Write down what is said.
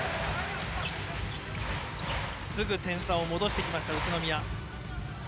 すぐ点差を戻してきた宇都宮。